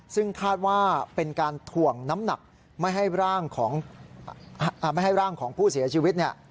ซึ่งคาดว่าเป็นการถ่วงน้ำหนักไม่ให้ร่างของผู้เสียชีวิต